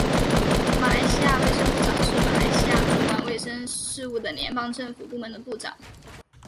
马来西亚卫生部长是马来西亚主管卫生事务的联邦政府部门的部长。